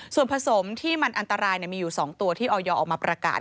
ส่วนผสมที่มันอันตรายมีอยู่๒ตัวที่ออยออกมาประกาศ